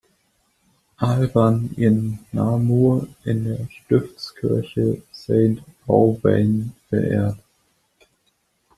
Alban in Namur in der Stiftskirche Saint-Aubain verehrt.